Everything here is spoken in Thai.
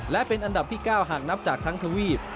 และเป็นอันดับที่๙หากนับจากทั้งทวีป